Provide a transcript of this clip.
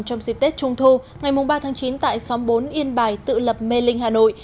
trong dịp tết trung thu ngày ba tháng chín tại xóm bốn yên bài tự lập mê linh hà nội